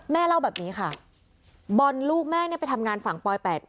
แม่เล่าแบบนี้ค่ะบอลลูกแม่เนี่ยไปทำงานฝั่งปลอย๘